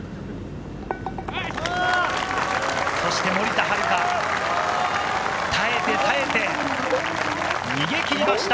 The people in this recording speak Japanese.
そして森田遥、耐えて耐えて、逃げ切りました。